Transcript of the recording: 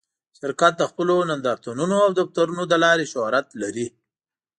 شرکت د خپلو نندارتونونو او دفترونو له لارې شهرت لري.